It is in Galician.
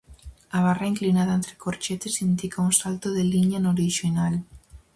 A barra inclinada entre corchetes indica un salto de liña no orixinal.